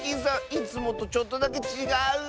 いつもとちょっとだけちがう！